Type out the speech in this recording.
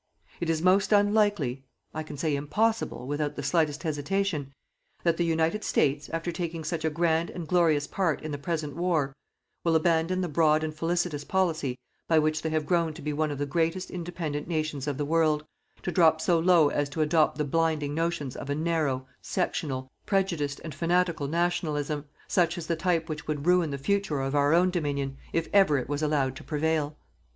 It is most unlikely I can say impossible without the slightest hesitation that the United States, after taking such a grand and glorious part in the present war, will abandon the broad and felicitous policy by which they have grown to be one of the greatest independent nations of the world, to drop so low as to adopt the blinding notions of a narrow, sectional, prejudiced and fanatical "Nationalism", such as the type which would ruin the future of our own Dominion, if ever it was allowed to prevail.